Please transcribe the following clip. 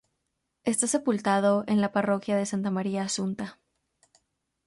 Está sepultado en la parroquia de Santa María Asunta.